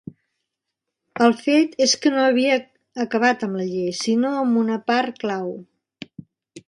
El fet és que no havia acabat amb la llei sinó amb una part clau.